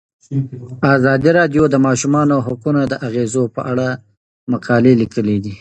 ازادي راډیو د د ماشومانو حقونه د اغیزو په اړه مقالو لیکلي.